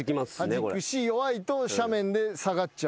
はじくし弱いと斜面で下がっちゃうっていう。